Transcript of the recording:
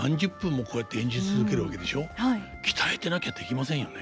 鍛えてなきゃできませんよね。